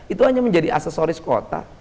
itu hanya menjadi aksesoris kota